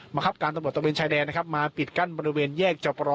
มาครับการตำรวจตำเรียนชายแดนนะครับมาปิดกั้นบริเวณแยกเจ้าประรอ